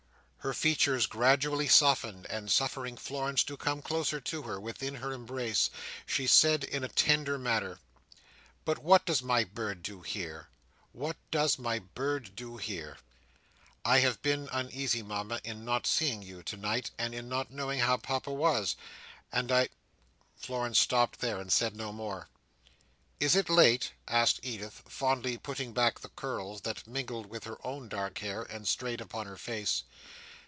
Her features gradually softened; and suffering Florence to come closer to her, within her embrace, she said in a tender manner, "But what does my bird do here? What does my bird do here?" "I have been uneasy, Mama, in not seeing you tonight, and in not knowing how Papa was; and I—" Florence stopped there, and said no more. "Is it late?" asked Edith, fondly putting back the curls that mingled with her own dark hair, and strayed upon her face.